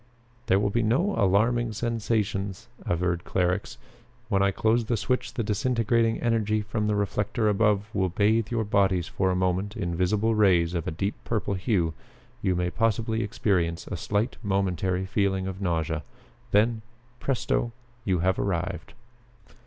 "There will be no alarming sensations," averred Clarux. "When I close the switch the disintegrating energy from the reflector above will bathe your bodies for a moment in visible rays of a deep purple hue. You may possibly experience a slight momentary feeling of nausea. Then presto! you have arrived."